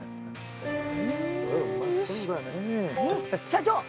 社長！